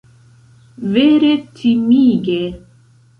Vere timige!